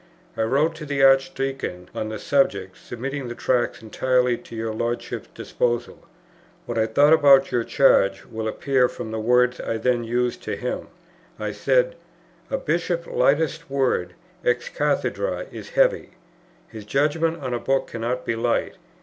I wrote to the Archdeacon on the subject, submitting the Tracts entirely to your Lordship's disposal. What I thought about your Charge will appear from the words I then used to him. I said, 'A Bishop's lightest word ex cathedrâ is heavy. His judgment on a book cannot be light.